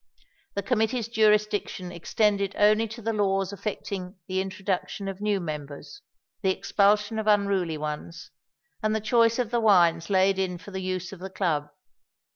The Committee's jurisdiction extended only to the laws affecting the introduction of new members, the expulsion of unruly ones, and the choice of the wines laid in for the use of the Club.